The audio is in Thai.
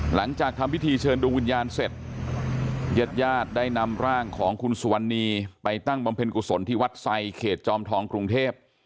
หลังจากทำพิธีเชิญดวงวิญญาณเสร็จญาติญาติได้นำร่างของคุณสุวรรณีไปตั้งบำเพ็ญกุศลที่วัดไซเขตจอมทองกรุงเทพ